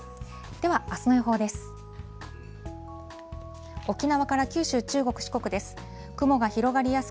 ではあすの予報です。